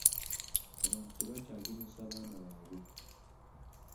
Abantu tebakyagemesa baana baabwe.